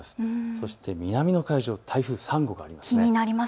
そして南の海上に台風３号があります。